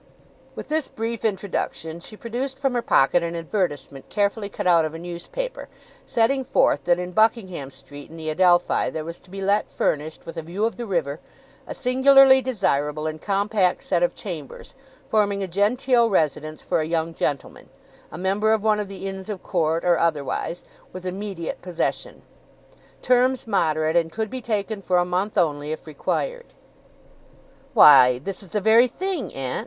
With this brief introduction, she produced from her pocket an advertisement, carefully cut out of a newspaper, setting forth that in Buckingham Street in the Adelphi there was to be let furnished, with a view of the river, a singularly desirable, and compact set of chambers, forming a genteel residence for a young gentleman, a member of one of the Inns of Court, or otherwise, with immediate possession. Terms moderate, and could be taken for a month only, if required. 'Why, this is the very thing, aunt!